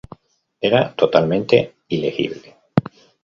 Era totalmente ilegible.